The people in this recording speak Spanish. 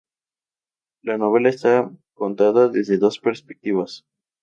La novela está contada desde dos perspectivas.